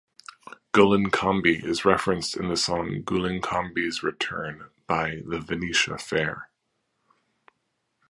Gullinkambi is referenced in the song "Gullinkambi's Return" by The Venetia Fair.